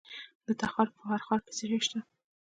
د تخار په فرخار کې څه شی شته؟